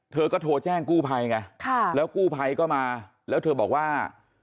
เธอก็โทรแจ้งกู้ภัยไงแล้วกู้ภัยก็มาแล้วเธอบอกว่า